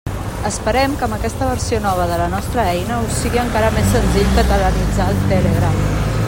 Esperem que amb aquesta versió nova de la nostra eina us sigui encara més senzill catalanitzar el Telegram.